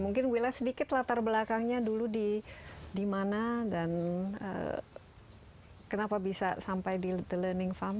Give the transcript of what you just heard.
mungkin willa sedikit latar belakangnya dulu di mana dan kenapa bisa sampai di the learning farm